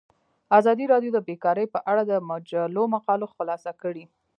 ازادي راډیو د بیکاري په اړه د مجلو مقالو خلاصه کړې.